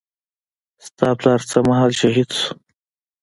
ستا پلار څه مهال شهيد سو.